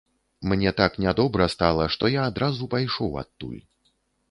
Мне так нядобра стала, што я адразу пайшоў адтуль.